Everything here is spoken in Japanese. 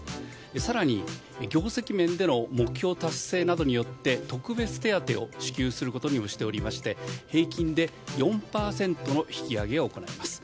更に、業績面での目標達成などによって特別手当を支給することにもしておりまして平均で４％の引き上げを行います。